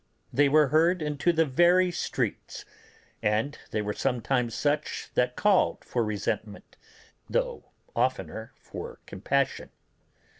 They were heard into the very streets, and they were sometimes such that called for resentment, though oftener for compassion.